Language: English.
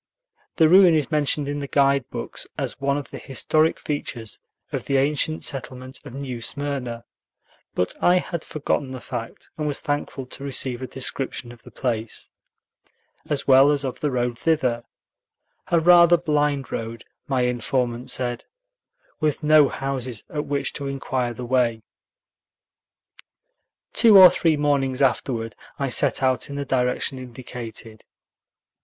The ruin is mentioned in the guide books as one of the historic features of the ancient settlement of New Smyrna, but I had forgotten the fact, and was thankful to receive a description of the place, as well as of the road thither, a rather blind road, my informant said, with no houses at which to inquire the way. Two or three mornings afterward, I set out in the direction indicated.